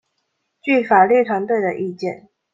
據法律團隊的意見